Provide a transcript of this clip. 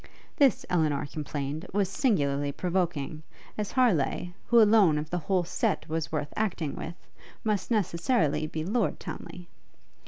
This, Elinor complained, was singularly provoking, as Harleigh, who alone of the whole set was worth acting with, must necessarily be Lord Townly.